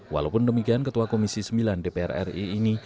walaupun demikian ketua komisi sembilan dpr ri ini